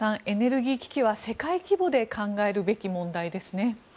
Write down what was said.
エネルギー危機は世界規模で考えるべき問題ですね。